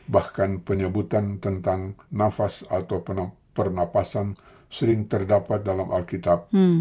bahkan penyebutan tentang nafas atau pernapasan sering terdapat dalam alkitab